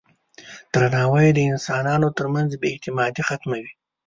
درناوی د انسانانو ترمنځ بې اعتمادي ختموي.